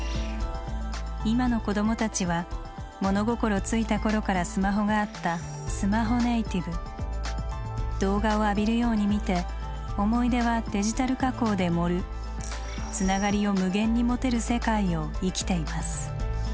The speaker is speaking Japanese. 今の子どもたちは物心付いた頃からスマホがあった動画を浴びるように見て思い出はデジタル加工で盛るつながりを無限に持てる世界を生きています。